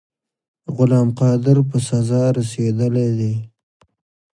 غلام قادر په سزا رسېدلی دی.